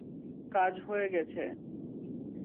কাজ হয়ে গেছে।